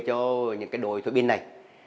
cho những cái đồi thủy binh này